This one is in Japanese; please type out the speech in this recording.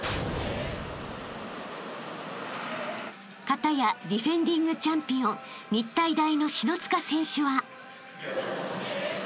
［片やディフェンディングチャンピオン日体大の篠塚選手は］